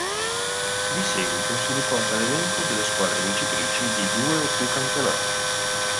Di seguito si riporta l'elenco delle squadre vincitrici di due o più campionati.